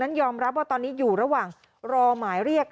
ยอมรับว่าตอนนี้อยู่ระหว่างรอหมายเรียก